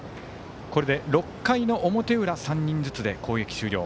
これで６回の表裏３人ずつで攻撃終了。